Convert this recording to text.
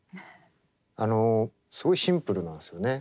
あのすごいシンプルなんですよね。